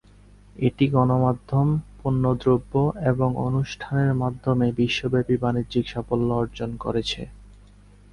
এটি গণমাধ্যম, পণ্যদ্রব্য এবং অনুষ্ঠানের মাধ্যমে বিশ্বব্যাপী বাণিজ্যিক সাফল্য অর্জন করেছে।